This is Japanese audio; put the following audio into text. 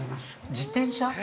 ◆自転車？